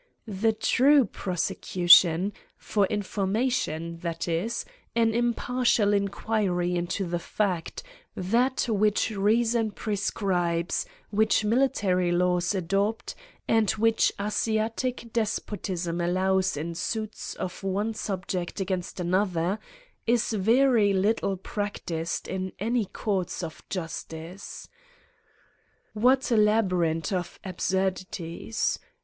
The true prosecution, ybr infor' matioTij that is, an impartial inquiry into the fact, that which reason prescribes, which military laws adopt, and which Asiatic despotism allows in suits of one subject against another, is very little prac tised in any courts of justice. What a labyrinth of absurdities